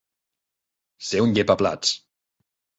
Ser un llepaplats.